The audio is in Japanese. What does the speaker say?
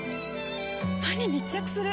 歯に密着する！